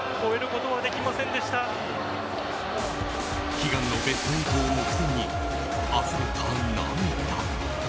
悲願のベスト８を目前にあふれた涙。